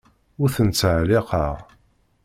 Ur ten-ttɛelliqeɣ.